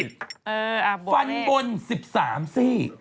เอออะบวกเล็กฟันบนสิบสามซี่